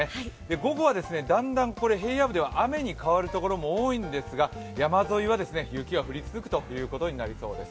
午後はだんだん平野部では雨に変わるところも多いんですが山沿いは雪が降り続くことになりそうです。